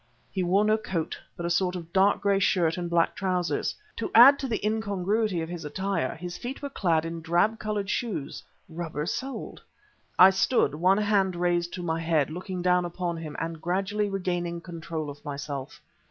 He wore no coat, but a sort of dark gray shirt and black trousers. To add to the incongruity of his attire, his feet were clad in drab colored shoes, rubber soled. I stood, one hand raised to my head, looking down upon him, and gradually regaining control of myself.